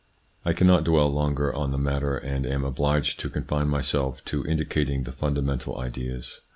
I cannot dwell longer on the matter, and am obliged to confine myself to indicating the funda mental ideas.